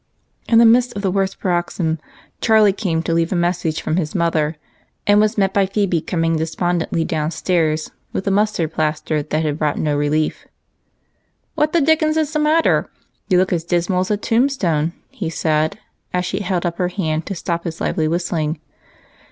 In the midst of the worst paroxysm Charlie came to leave a message from his mother, and was met by Phebe coming despondently downstairs with a mus tard plaster that had brought no relief. 248 EIGHT COUSINS. " What the dickens is the matter ? You look as dis mal as a tombstone," he said, as she held up her hand to stop his lively whistling.